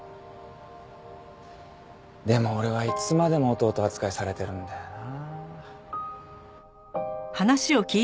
でも俺はいつまでも弟扱いされてるんだよな。